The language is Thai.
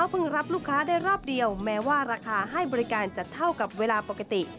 รับลูกค้าได้รอบเดียวแม้ว่าราคาให้บริการจะเท่ากับเวลาปกติ